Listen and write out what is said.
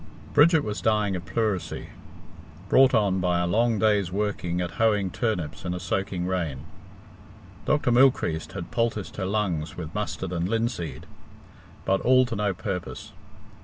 Bridget was dying of pleurisy, brought on by a long day's work at hoeing turnips in a soaking rain. Dr. Mylechreest had poulticed her lungs with mustard and linseed, but all to no purpose.